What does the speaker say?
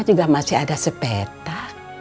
juga masih ada sepeta